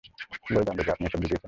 কীভাবে জানবো যে আপনি এসব বুঝিয়েছেন?